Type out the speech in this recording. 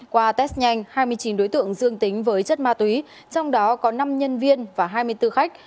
qua test nhanh hai mươi chín đối tượng dương tính với chất ma túy trong đó có năm nhân viên và hai mươi bốn khách